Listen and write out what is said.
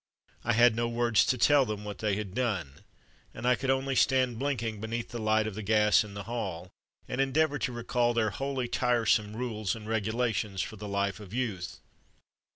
I had no words to tell them what they had done, and I could only stand blinking beneath the light of the gas in the hall, and endeavour to recall their wholly tiresome rules and regulations for the life of youth.